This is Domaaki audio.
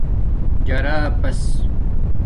جراپس